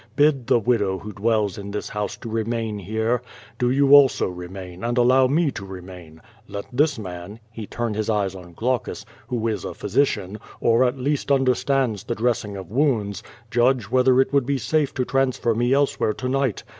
Bid the widow who dwells in this house to remain here. Do you also re* main, and allow me to remain. I^et this man" (he turned his eyes on (ilaucus) "who is a physician, or at least understands the dressing of wounds, judge whether it would Ik; safe to transfer nic elsewhere to night.